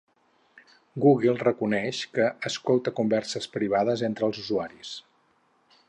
Google reconeix que escolta converses privades entre els usuaris.